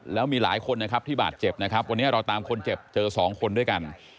แล้วมีหลายคนนะครับที่บาดเจ็บนะครับวันนี้เราตามคนเจ็บเจอสองคนด้วยกัน